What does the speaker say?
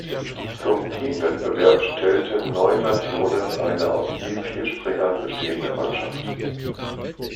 Zum Team-Wettbewerb stellten neun Nationen eine aus je vier Springern bestehende Mannschaft.